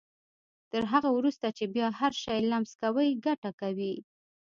تر هغه وروسته چې بيا هر شی لمس کوئ ګټه کوي.